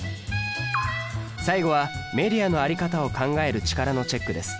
最後はメディアのあり方を考える力のチェックです。